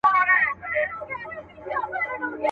نور به د پانوس له رنګینیه ګیله نه کوم.